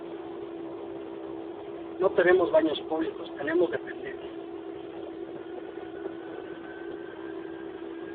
No tenemos baños públicos, tenemos dependencias".